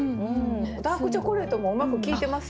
「ダークチョコレート」もうまく効いてますよね。